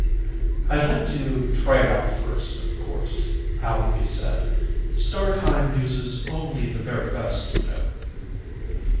"I'd like to try it out first, of course," Allenby said. "Star Time uses only the very best, you know."